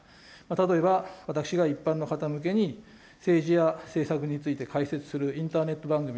例えば、私が一般の方向けに政治や政策について解説するインターネット番組